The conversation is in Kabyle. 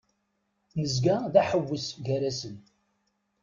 Nezga d aḥewwes gar-asen.